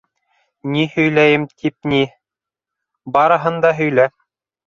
— Ни һөйләйем тип ни, барыһын да һөйлә...